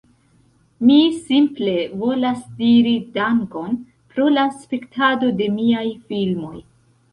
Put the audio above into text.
Mi simple volas diri "Dankon" pro la spektado de miaj filmoj.